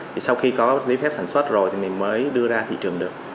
thì sau khi có giấy phép sản xuất rồi thì mình mới đưa ra thị trường được